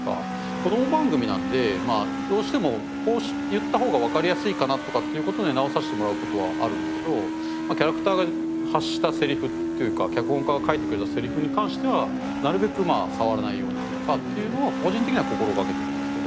子ども番組なのでどうしてもこう言った方がわかりやすいかなとかっていう事には直させてもらう事はあるんだけどキャラクターが発したセリフというか脚本家が書いてくれたセリフに関してはなるべく触らないようにというかというのを個人的には心掛けてるんですけど。